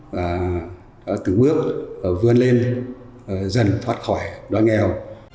và từng bước vươn lên dần thoát khỏi đói nghèo